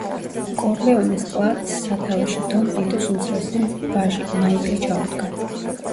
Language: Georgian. კორლეონეს კლანს სათავეში დონ ვიტოს უმცროსი ვაჟი, მაიკლი ჩაუდგა.